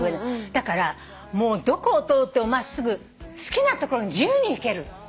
だからもうどこを通っても真っすぐ好きな所に自由に行ける。